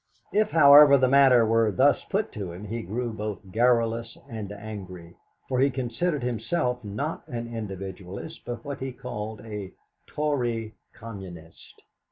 If, however, the matter was thus put to him he grew both garrulous and angry, for he considered himself not an individualist, but what he called a "Tory Communist."